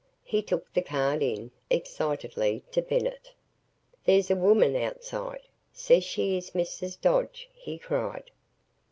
He took the card in, excitedly, to Bennett. "There's a woman outside says she is Mrs. Dodge!" he cried.